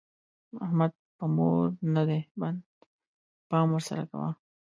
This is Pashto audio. احمد په مور نه دی بند؛ پام ور سره کوه.